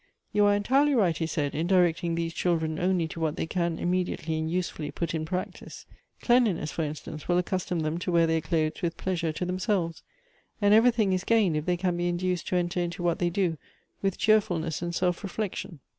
"You are entirely right," he said, "in directing these children only to what they can immediately and usefully put in practice. Cleanliness, for instance, will accustom them to wear their clothes with pleasure to themselves ; and everything is gained if they can be induced to enter into what they do with cheerfulness and self reflection."